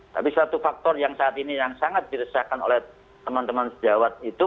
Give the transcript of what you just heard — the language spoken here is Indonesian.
tapi satu faktor yang saat ini yang sangat diresahkan oleh teman teman sejawat itu